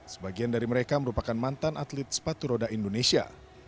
sebagian dari mereka merupakan mantan atlet sepatu roda indonesia